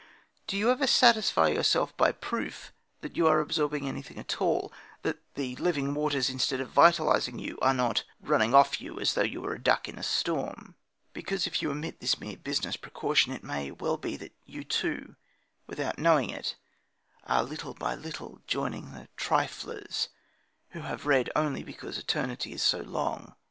Do you ever satisfy yourself by proof that you are absorbing anything at all, that the living waters, instead of vitalising you, are not running off you as though you were a duck in a storm? Because, if you omit this mere business precaution, it may well be that you, too, without knowing it, are little by little joining the triflers who read only because eternity is so long.